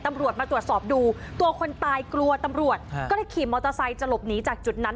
ตำรวจมาตรวจสอบดูตัวคนตายกลัวตำรวจก็เลยขี่มอเตอร์ไซค์จะหลบหนีจากจุดนั้น